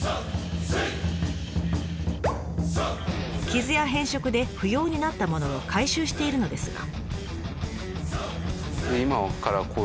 傷や変色で不用になったものを回収しているのですが。